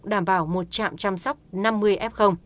đảm bảo một trạm chăm sóc năm mươi f